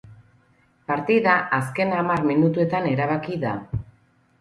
Partida azken hamar minutuetan erabaki da.